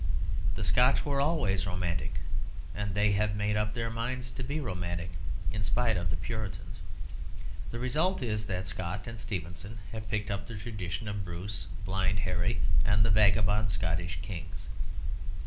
The Scotch were always romantic, and they have made up their minds to be romantic in spite of the Puritans. The result is that Scott and Stevenson have picked up the tradition of Bruce, Blind Harry and the vagabond Scottish kings.